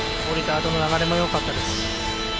降りたあとの流れもよかったです。